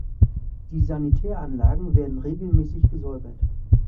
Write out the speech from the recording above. Die Sanitäranlagen werden regelmäßig gesäubert.